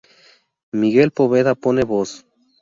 Miguel Poveda pone voz.